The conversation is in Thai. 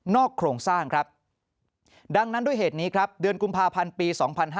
โครงสร้างครับดังนั้นด้วยเหตุนี้ครับเดือนกุมภาพันธ์ปี๒๕๕๙